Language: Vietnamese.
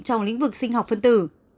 trong lĩnh vực sinh học phân tử